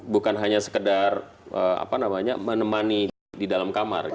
bukan hanya sekedar menemani di dalam kamar